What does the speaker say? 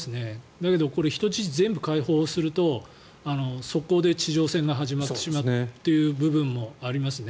だけど、これは人質を全部解放すると即行で地上戦が始まってしまう部分もありますね。